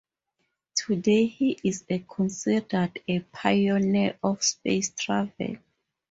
Today he is considered a pioneer of space travel.